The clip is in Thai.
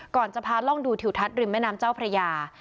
ก่อนจะพาล่องดูทิวทัศน์ริมแม่น้ำเจ้าพระยา